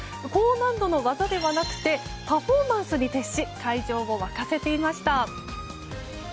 高難度の技ではなくてパフォーマンスに徹し会場を沸かせていました。